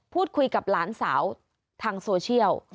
พูดคุยกับหลานสาวทางโซเชียล